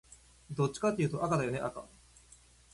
どっちかっていうとね、赤だよね赤